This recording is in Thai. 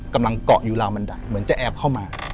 กำลังเกาะอยู่ราวบันไดเหมือนจะแอบเข้ามา